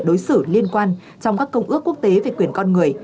đối xử liên quan trong các công ước quốc tế về quyền con người